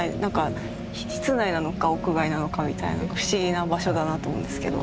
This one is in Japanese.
室内なのか屋外なのかみたいな不思議な場所だなと思うんですけど。